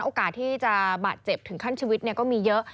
โอกาสที่จะบาดเจ็บถึงขั้นชีวิตก็มีเยอะ